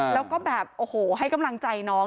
แล้วก็แบบโอ้โหให้กำลังใจน้อง